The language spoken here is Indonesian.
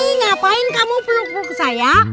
ih ngapain kamu peluk peluk saya